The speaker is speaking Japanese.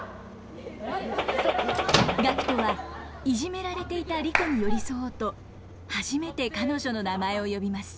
ガクトはいじめられていたリコに寄り添おうと初めて彼女の名前を呼びます。